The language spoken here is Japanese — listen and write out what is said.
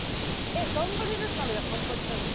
えっ頑張れるなら頑張りたいです。